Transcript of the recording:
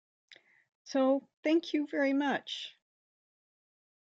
So, thank you very much.